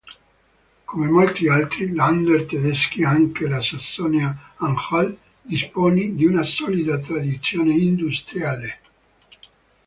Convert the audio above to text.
Come molti altri Länder tedeschi, anche la Sassonia-Anhalt dispone di una solida tradizione industriale.